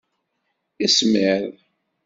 Ismiḍ.